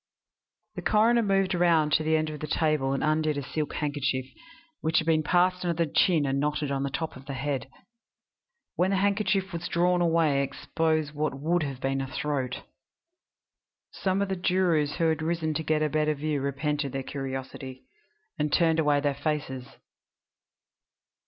The coroner moved round to the end of the table and undid a silk handkerchief, which had been passed under the chin and knotted on the top of the head. When the handkerchief was drawn away it exposed what had been the throat. Some of the jurors who had risen to get a better view repented their curiosity, and turned away their faces.